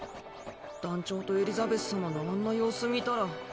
団長とエリザベス様のあんな様子見たら。